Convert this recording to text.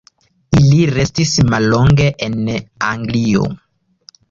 Ili restis mallonge en Anglio.